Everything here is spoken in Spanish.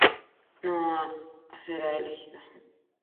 No será elegido.